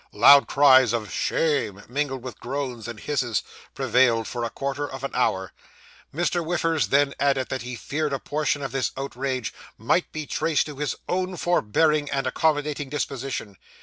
Loud cries of 'Shame,' mingled with groans and hisses, prevailed for a quarter of an hour. Mr. Whiffers then added that he feared a portion of this outrage might be traced to his own forbearing and accommodating disposition.